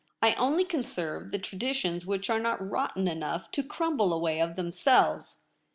1 only conserve the tra ditions which are not rotten enough to crumble away of themselves.